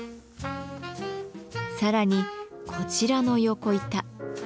更にこちらの横板。